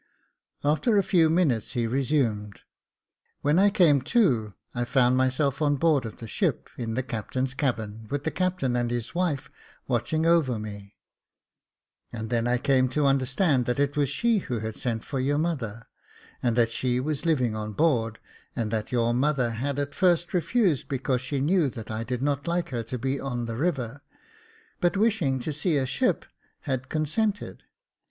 After a few minutes he resumed :" When I came to, I found myself on board of the ship in the captain's cabin, with the captain and his wife watching over me — and then I came to understand that it was she who had sent for your mother, and that she was living on board, and that your mother had at first refused, because she knew that I did not like her to be on the river, but wishing to see a ship, had consented.